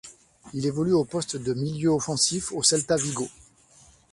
Il évolue au poste de milieu offensif au Celta Vigo.